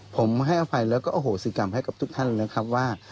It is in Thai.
ผมให้อภัยแล้วก็อโหสิกรรมให้กับทุกท่านนะครับว่า